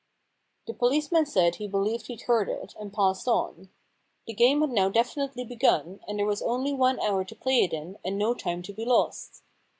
The policeman said he believed he'd heard it, and passed on. The game had now definitely begun, and there was only one hour to play it in and no time to be lost.